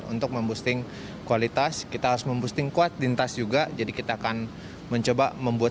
untuk memboosting kualitas kita harus memboosting kuat lintas juga jadi kita akan mencoba membuat